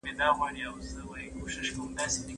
ولسي استازو به د خپلو سیمو غوښتنې تر مشرانو رسولي.